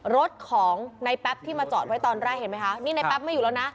รถของในแป๊บที่มาจอดไว้ตอนแรกเห็นไหมคะนี่ในแป๊บไม่อยู่แล้วนะ